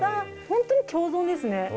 本当に共存ですね。